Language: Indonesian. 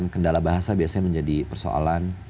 kendala bahasa biasanya menjadi persoalan